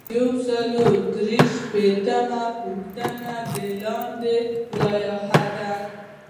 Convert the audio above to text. یو سل او درې شپیتمه پوښتنه د دندو لایحه ده.